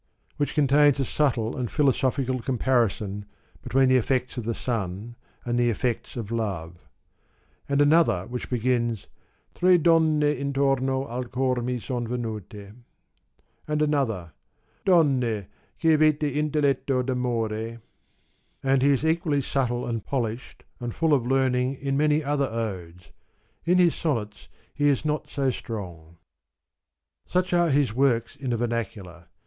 which contains a subtle and philosophical comparison between the effects of the sun and the effects of love ; and another which begins *Tre donne intorno al cor mi son venule.' and another * Donne che avete intelletto d'amore.' 136 And he is equally subtle and polished and full of learning in many other Odes. In his Sonnets he is not so strong. Such are his works in the vernacular.